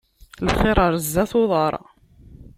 Lxiṛ, ar zdat uḍaṛ.